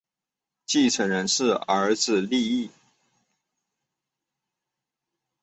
继承人是儿子利意。